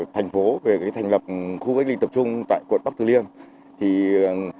thành phố về thành lập khu cách ly tập trung tại quận bắc thứ liêng